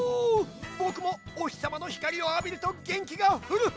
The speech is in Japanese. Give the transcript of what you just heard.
ぼくもおひさまのひかりをあびるとげんきがフルフルわいてくるよ。